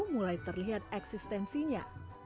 mulai terlihat eksistensinya